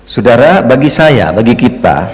saudara bagi saya bagi kita